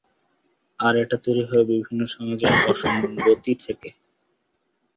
আর এটা তৈরি হয় বিভিন্ন সামাজিক অসঙ্গতি থেকে।